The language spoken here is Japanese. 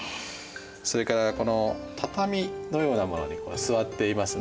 それからこの畳のようなものに座っていますね。